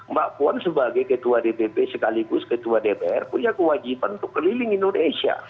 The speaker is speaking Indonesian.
mbak puan sebagai ketua dpp sekaligus ketua dpr punya kewajiban untuk keliling indonesia